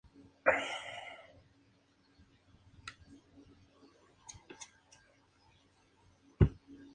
Ella representó al personaje desde la tercera temporada del programa hasta la última.